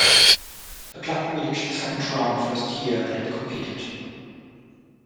The club reached the second round in the first year that it competed.